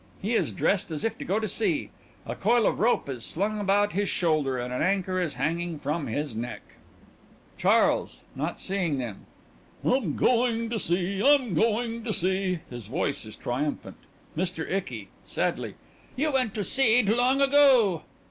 He is dressed as if to go to sea; a coil of rope is slung about his shoulder and an anchor is hanging from his neck._) CHARLES: (Not seeing them) I'm going to sea! I'm going to sea! (His voice is triumphant.) MR. ICKY: (Sadly) You went to seed long ago.